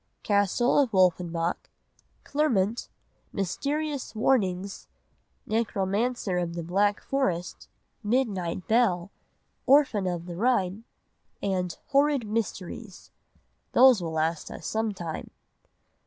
Castle of Wolfenbach, Clermont, Mysterious Warnings, Necromancer of the Black Forest, Midnight Bell, Orphan of the Rhine, and Horrid Mysteries. Those will last us some time.